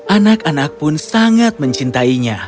anak anak pun sangat mencintainya